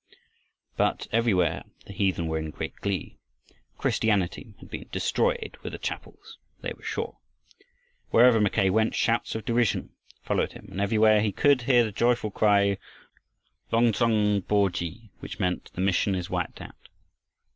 But everywhere the heathen were in great glee. Christianity had been destroyed with the chapels, they were sure. Wherever Mackay went, shouts of derision followed him, and everywhere he could hear the joyful cry "Long tsong bo khi!" which meant "The mission is wiped out!"